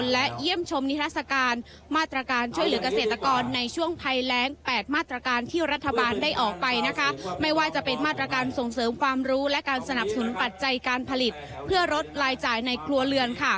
และการสนับสนุนปัจจัยการผลิตเพื่อลดลายจ่ายในครัวเรือนค่ะ